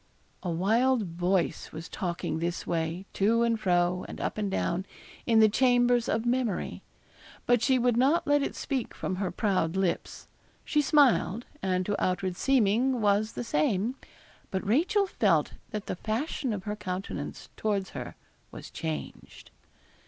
A wild voice was talking this way, to and fro, and up and down, in the chambers of memory. But she would not let it speak from her proud lips. She smiled, and to outward seeming, was the same; but Rachel felt that the fashion of her countenance towards her was changed.